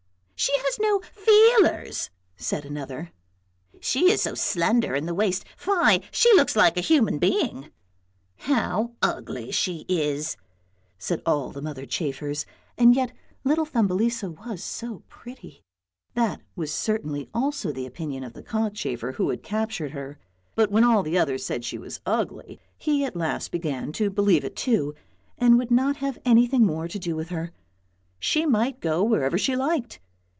" She has no feelers," said another. " She is so slender in the waist, fie, she looks like a human being." " How ugly she is," said all the mother chafers, and yet little Thumbelisa was so pretty. That was certainly also the opinion of the cockchafer who had captured her, but when all the others said she was ugly, he at last began to believe it too, and would not have anything more to do with her, she might go wherever she liked!